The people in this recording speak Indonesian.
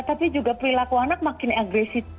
tapi juga perilaku anak makin agresif